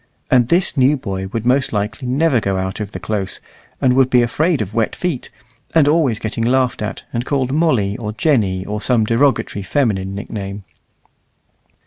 And this new boy would most likely never go out of the close, and would be afraid of wet feet, and always getting laughed at, and called Molly, or Jenny, or some derogatory feminine nickname.